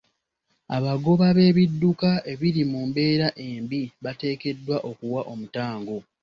Abagoba b'ebidduka ebiri mu mbeera embi bateekeddwa okuwa omutango.